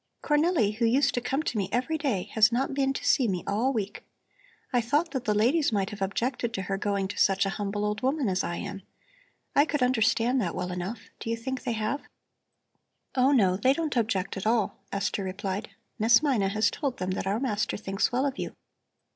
"Cornelli, who used to come to me every day has not been to see me all week. I thought that the ladies might have objected to her going to such a humble old woman as I am. I could understand that well enough. Do you think they have?" "Oh no, they don't object at all," Esther replied. "Miss Mina has told them that our master thinks well of you.